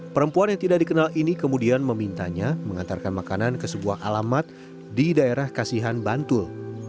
perempuan yang tidak dikenal ini kemudian memintanya mengantarkan makanan ke sebuah alamat di daerah kasihan bantul